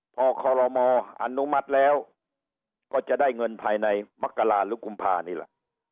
พอคอลโลมออนุมัติแล้วก็จะได้เงินภายในมกราหรือกุมภานี่แหละ